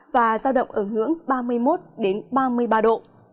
và giao động ứng hưởng ba mươi một ba mươi ba độ